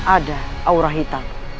ada aura hitam